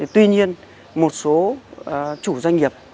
tuy nhiên một số chủ doanh nghiệp